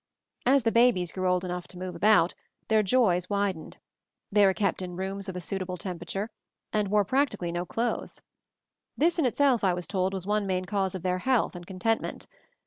As the babies grew old enough to move about, their joys widened. They were kept in rooms of a suitable temperature, and wore practically no clothes. This in itself I was* told was one main cause of their health and contentment.